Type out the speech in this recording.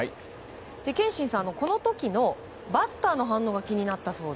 憲伸さん、この時のバッターの反応が気になったそうで。